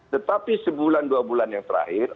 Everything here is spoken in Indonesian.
tetapi sebulan dua bulan yang terakhir